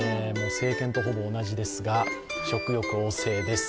成犬とほぼ同じですが、食欲旺盛です。